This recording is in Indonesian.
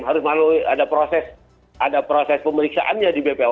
harus melalui ada proses ada proses pemeriksaannya di bpom